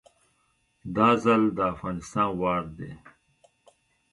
دا ځل د افغانستان وار دی